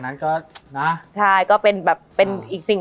มันทำให้ชีวิตผู้มันไปไม่รอด